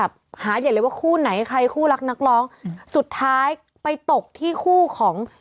ไปแบบหาเหยียดเลยว่าคู่ไหนใครคู่รักนักร้องสุดท้ายไปตกที่คู่ของ